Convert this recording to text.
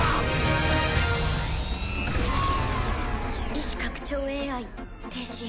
意思拡張ＡＩ停止。